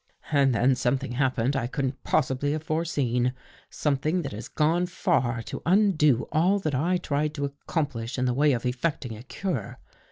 " And then something happened I couldn't possibly have foreseen — something that has gone far to undo all that I tried to accomplish in the way of effecting a cure.